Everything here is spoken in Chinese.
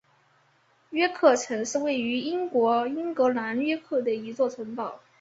约克城是位于英国英格兰约克的一座城堡。